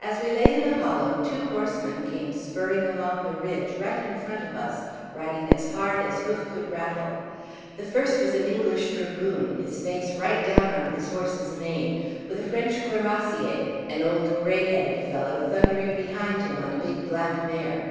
As we lay in the hollow two horsemen came spurring along the ridge right in front of us, riding as hard as hoof could rattle. The first was an English dragoon, his face right down on his horse's mane, with a French cuirassier, an old, grey headed fellow, thundering behind him, on a big black mare.